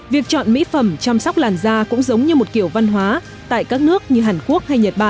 việc chọn mỹ phẩm chăm sóc làn da cũng giống như một kiểu văn hóa tại các nước như hàn quốc hay nhật bản